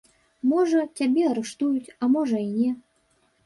Можа, цябе арыштуюць, а можа, і не.